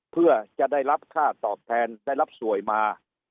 เพื่อจะได้รับค่าตอบแทนได้รับสวยมา